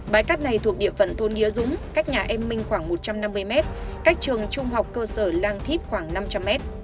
bãi cát này thuộc địa phận thôn nghĩa dũng cách nhà em minh khoảng một trăm năm mươi mét cách trường trung học cơ sở lang thíp khoảng năm trăm linh m